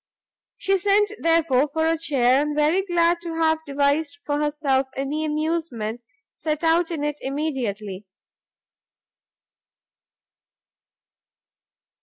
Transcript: She sent therefore, for a chair, and glad to have devised for herself any amusement, set out in it immediately.